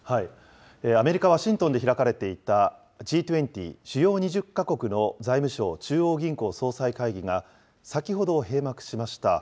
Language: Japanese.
アメリカ・ワシントンで開かれていたＧ２０・主要２０か国の財務相・中央銀行総裁会議が、先ほど閉幕しました。